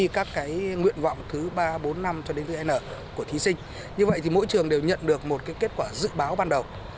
các trường đều nhận được một kết quả dự báo ban đầu